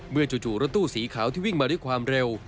จู่รถตู้สีขาวที่วิ่งมาด้วยความเร็ว